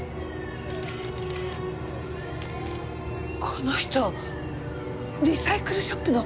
この人リサイクルショップの。